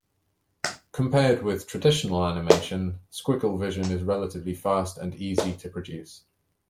Compared with traditional animation, Squigglevision is relatively fast and easy to produce.